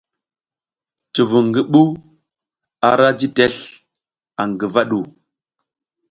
Cuvung ngi ɓuh ara ji tesl aƞ ngəva ɗu.